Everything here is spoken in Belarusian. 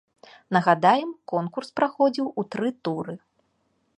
Нагадаем, конкурс праходзіў у тры туры.